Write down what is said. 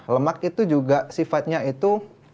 lemak itu juga sifatnya itu